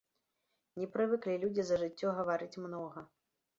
Не прывыклі людзі за жыццё гаварыць многа.